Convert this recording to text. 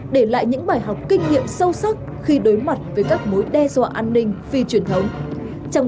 để lại những bài học kinh nghiệm sâu sắc khi đối mặt với các mối đe dọa an ninh phi truyền thống